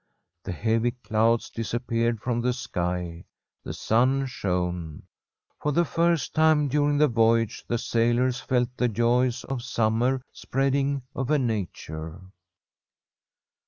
The heavy clouds disap peared from the sky ; the sun shone. For the first time during the voyage the sailors felt the joys of summer spreading over Nature.